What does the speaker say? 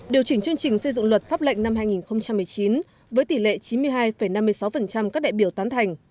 điều chỉnh chương trình xây dựng luật pháp lệnh năm hai nghìn một mươi chín với tỷ lệ chín mươi hai năm mươi sáu các đại biểu tán thành